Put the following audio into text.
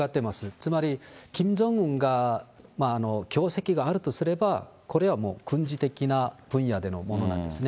つまり、キム・ジョンウンが業績があるとすれば、これはもう軍事的な分野でのものなんですね。